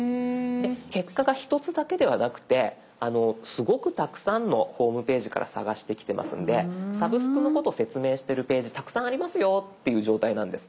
結果が１つだけではなくてすごくたくさんのホームページから探してきてますんで「サブスク」のこと説明してるページたくさんありますよっていう状態なんです。